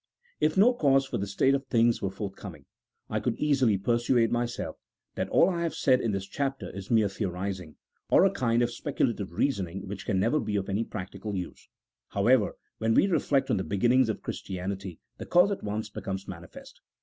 If no cause for this state of things were forth coming, I could easily persuade myself that all I have said in this chapter is mere theorizing, or a kind of speculative reasoning which can never be of any practical use. How ever, when we reflect on the beginnings of Christianity the cause at once becomes manifest.